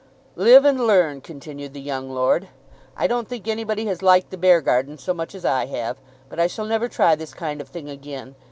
"Live and learn," continued the young lord. "I don't think anybody has liked the Beargarden so much as I have, but I shall never try this kind of thing again.